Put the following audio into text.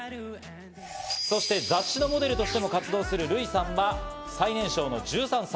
そして雑誌のモデルとしても活動するルイさんは最年少の１３歳。